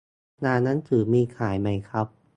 งานหนังสือมีขายไหมครับ